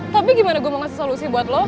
tapi gimana gue mau ngasih solusi buat lo